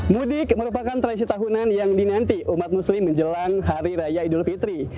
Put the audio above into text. mudik merupakan tradisi tahunan yang dinanti umat muslim menjelang hari raya idul fitri